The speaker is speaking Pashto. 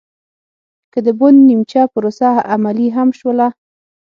که د بن نیمچه پروسه عملي هم شوله